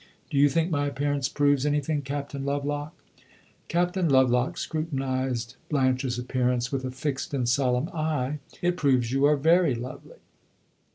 Do you think my appearance proves anything, Captain Lovelock?" Captain Lovelock scrutinized Blanche's appearance with a fixed and solemn eye; and then he replied "It proves you are very lovely."